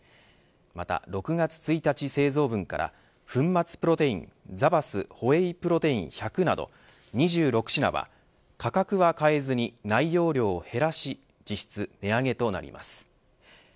また６月１日製造分から粉末プロテインザバスホエイプロテイン１００など２６品は価格は変えずに内容量を減らし実質、値上げとなります。